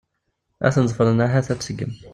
Ad ten-ḍefren ahat ad tseggem.